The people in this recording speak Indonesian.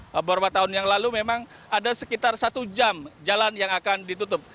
beberapa tahun yang lalu memang ada sekitar satu jam jalan yang akan ditutup